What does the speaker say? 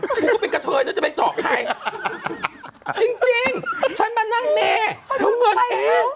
คุณก็ไปกระเทยนะจะไปเจาะใครจริงฉันมานั่งเมแล้วเงินเอ๊